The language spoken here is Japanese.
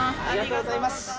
ありがとうございます。